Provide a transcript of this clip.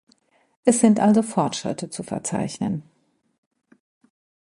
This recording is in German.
Es sind also Fortschritte zu verzeichnen.